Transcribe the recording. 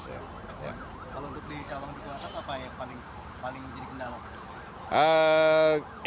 kalau untuk di cawang dua satu apa yang paling menjadi kendala